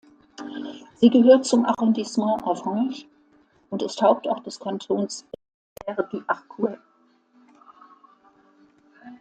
Sie gehört zum Arrondissement Avranches und ist Hauptort des Kantons Saint-Hilaire-du-Harcouët.